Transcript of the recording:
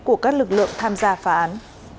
của các lực lượng tham gia phá án